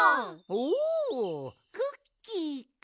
おおクッキーか。